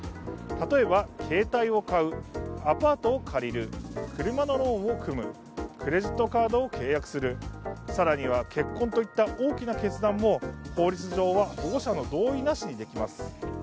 例えば、携帯を買う、アパートを借りる、車のローンを組む、クレジットカードを契約する、更には結婚といった大きな決断も法律上は保護者の同意なしにできます。